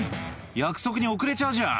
約束に遅れちゃうじゃん」